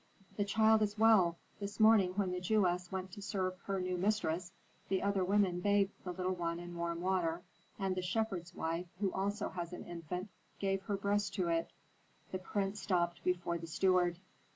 "The child is well. This morning, when the Jewess went to serve her new mistress, the other women bathed the little one in warm water, and the shepherd's wife, who also has an infant, gave her breast to it." The prince stopped before the steward.